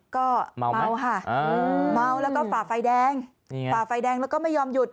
ก็เมาค่ะเมาแล้วก็ฝ่าไฟแดงฝ่าไฟแดงแล้วก็ไม่ยอมหยุด